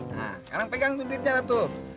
nah sekarang pegang tuh belitnya tuh